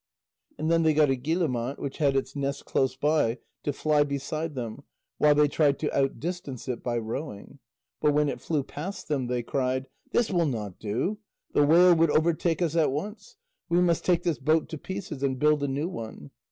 And then they got a guillemot which had its nest close by to fly beside them, while they tried to outdistance it by rowing. But when it flew past them, they cried: "This will not do; the whale would overtake us at once. We must take this boat to pieces and build a new one."